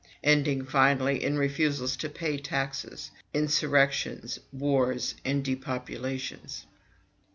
ending finally in refusals to pay taxes, insurrections, wars, and depopulations.